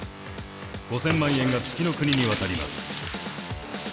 ５，０００万円が月ノ国に渡ります。